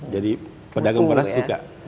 jadi pedagang beras suka